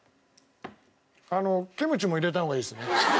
あのキムチも入れた方がいいですね。